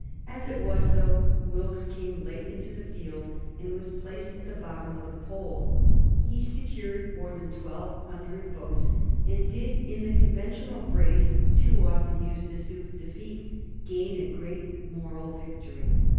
As it was, though Wilkes came late into the field, and was placed at the bottom of the poll, he secured more than twelve hundred votes, and did, in the conventional phrase too often used to soothe defeat, gain a great moral victory.